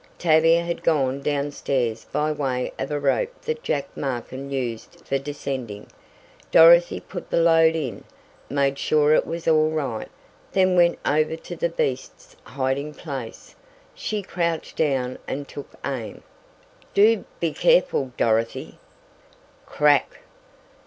Tavia had gone downstairs by way of a rope that Jack Markin used for descending. Dorothy put the load in, made sure it was all right, then went over to the beast's hiding place. She crouched down and took aim. "Do be careful, Dorothy." Crack!